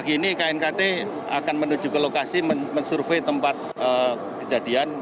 pagi ini knkt akan menuju ke lokasi mensurvey tempat kejadian